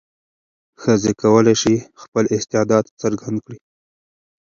ښځې کولای شي خپل استعداد څرګند کړي.